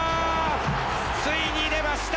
ついに出ました